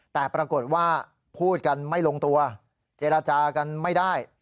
แต่ปรากฏว่าพูดกันไม่ลงตัวเจรจากันไม่ได้